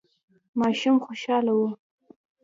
ماشوم خوشاله و.